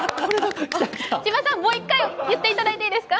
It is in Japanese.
千葉さん、もう一回言っていただいていいですか？